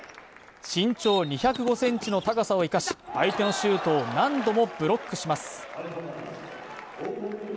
身長２０５ｃｍの高さを生かし相手のシュートを何度もブロックします。